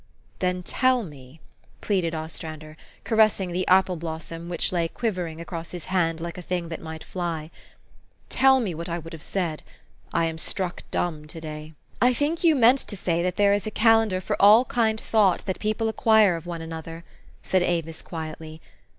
"Then tell me," pleaded Ostrander, caressing the apple blossom which lay quivering across his 104 THE STORY OF AVIS. hand like a thing that might fly, " tell me what I would have said. I am struck dumb to day." " I think you meant to say that there is a calendar for all kind thought that people acquire of one an other," said Avis quietly.